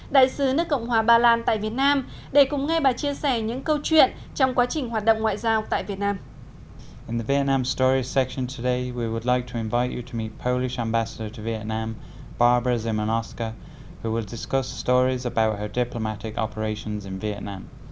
đại sứ nước cộng hòa ba lan tại việt nam để cùng nghe bà chia sẻ những câu chuyện trong quá trình hoạt động ngoại giao tại việt nam